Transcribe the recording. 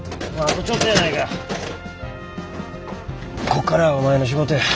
こっからはお前の仕事や。